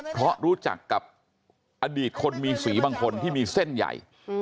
เพราะรู้จักกับอดีตคนมีสีบางคนที่มีเส้นใหญ่